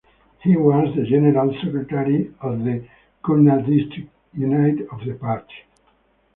He was the General Secretary of the Khulna District unit of the party.